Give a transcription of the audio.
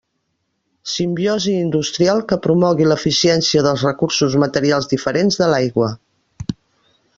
Simbiosi industrial que promogui l'eficiència dels recursos materials diferents de l'aigua.